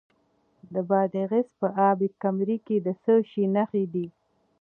د بادغیس په اب کمري کې د څه شي نښې دي؟